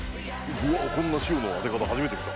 こんな塩の当て方初めて見た。